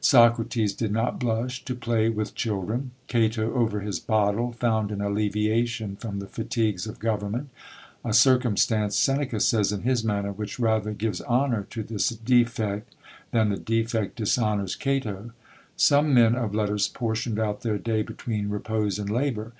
Socrates did not blush to play with children; Cato, over his bottle, found an alleviation from the fatigues of government; a circumstance, Seneca says in his manner, which rather gives honour to this defect, than the defect dishonours Cato. Some men of letters portioned out their day between repose and labour.